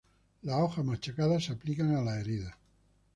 Las hojas machacadas se aplican a las heridas.